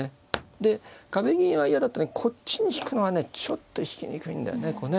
で壁銀は嫌だったらこっちに引くのはねちょっと引きにくいんだよねこうね。